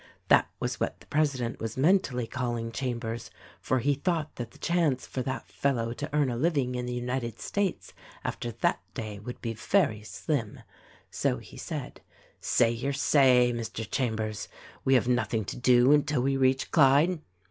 That was what the president was mentally calling Chambers ; for he thought that the chance for that fellow to earn a living in the United States after that day would be very slim. So he said, "Say your say, Mr. Chambers; we have nothing to do until we reach Clyde."